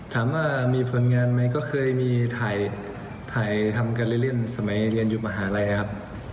ถามว่ามีผลงานไหมก็เคยมีถ่ายทำกันเล่นสมัยเรียนยุคมหาลัยครับ